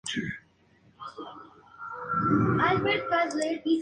Entre sus alumnos estuvieron, entre otros, Reinhard Puch.